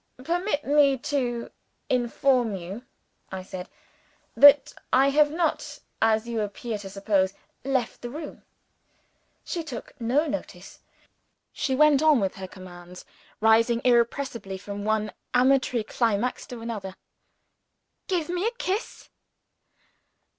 "Permit me to inform you," I said, "that I have not (as you appear to suppose) left the room." She took no notice. She went on with her commands, rising irrepressibly from one amatory climax to another. "Give me a kiss!"